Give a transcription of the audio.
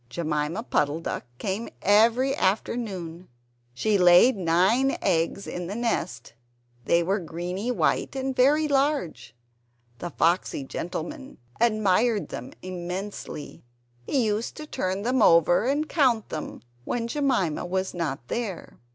Jemima Puddle duck came every afternoon; she laid nine eggs in the nest. They were greeny white and very large. The foxy gentleman admired them immensely. He used to turn them over and count them when Jemima was not there.